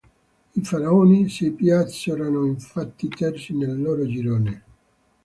I "faraoni" si piazzarono infatti terzi nel loro girone.